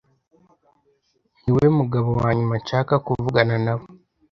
Niwe mugabo wanyuma nshaka kuvugana nabo.